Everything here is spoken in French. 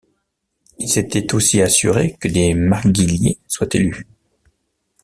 Il s'était aussi assuré que des marguilliers soient élus.